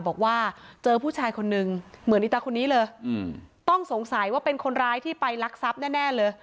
บอกว่าเจอผู้ชายคนนึงเหมือนอีตาคนนี้เลยต้องสงสัยว่าเป็นคนร้ายที่ไปลักทรัพย์แน่เลย